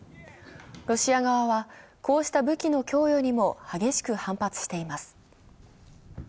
ロシア側はこうした武器の供与にも激しく反発しています。